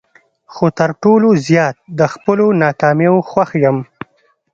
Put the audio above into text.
خو تر ټولو زیات د خپلو ناکامیو خوښ یم.